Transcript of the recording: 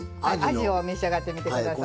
あじを召し上がってみて下さい。